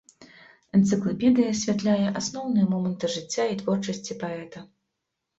Энцыклапедыя асвятляе асноўныя моманты жыцця і творчасці паэта.